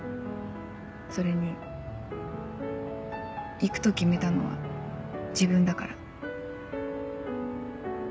それに行くと決めたのは自分だから。